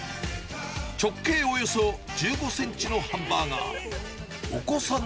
直径およそ１５センチのハンバーガー。